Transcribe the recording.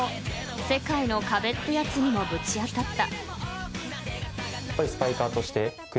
世界の壁ってやつにもぶち当たった］